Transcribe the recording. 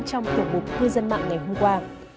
trong tiểu bục cư dân mạng ngày hôm qua